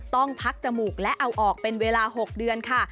ต้องพักจมูกและเอาออกเป็นเวลา๖เดือนค่ะ